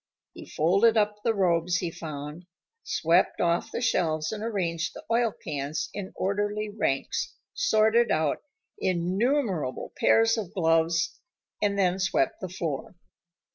He folded up the robes he found, swept off the shelves and arranged the oil cans in orderly ranks, sorted out innumerable pairs of gloves, and then swept the floor.